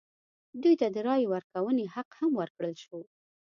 دوی ته د رایې ورکونې حق هم ورکړل شو.